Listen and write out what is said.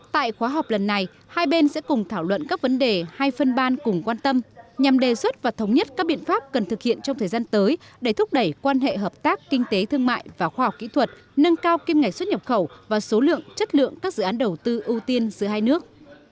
tại khóa họp lần này hai bên sẽ cùng thảo luận các vấn đề hai phân ban cùng quan tâm nhằm đề xuất và thống nhất các biện pháp cần thực hiện trong thời gian tới để thúc đẩy quan hệ hợp tác kinh tế thương mại và khoa học kỹ thuật nâng cao kim ngạch xuất nhập khẩu và số lượng chất lượng các dự án đầu tư ưu tiên giữa hai nước